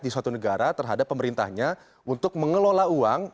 di suatu negara terhadap pemerintahnya untuk mengelola uang